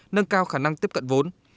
nâng cao khả năng tiếp cận vốn